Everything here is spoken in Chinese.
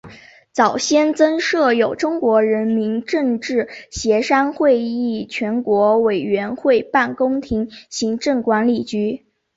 早先曾设有中国人民政治协商会议全国委员会办公厅行政管理局。